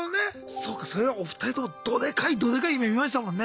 そうかそれはお二人ともどでかいどでかい夢みましたもんね。